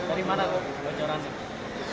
dari mana kok bocorannya